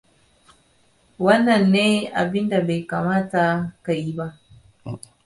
Wannan ne abinda bai kamata ka yi ba.